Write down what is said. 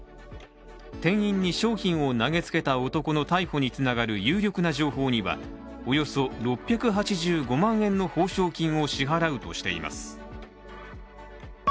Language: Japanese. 店員に商品を投げつけた男の逮捕につながる有力な情報には、およそ６８５万円の報奨金を支払うとしています。